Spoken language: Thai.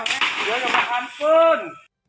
เฮ้ยเท้นพรุ่ง